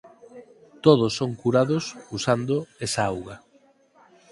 Todos son curados usando esa auga.